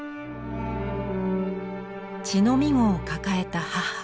乳飲み子を抱えた母。